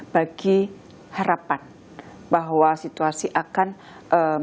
bagi harapan bahwa situasi akan berlangsung